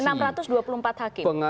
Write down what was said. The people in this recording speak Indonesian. komisi judisial sudah memberikan rekomendasi